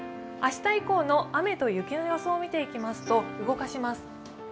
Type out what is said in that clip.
明日以降の雨と雪の予想を見ています、動かします。